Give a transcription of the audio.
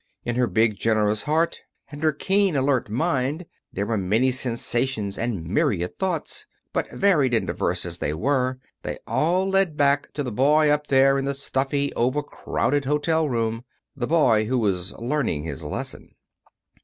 In her big, generous heart, and her keen, alert mind, there were many sensations and myriad thoughts, but varied and diverse as they were they all led back to the boy up there in the stuffy, over crowded hotel room the boy who was learning his lesson.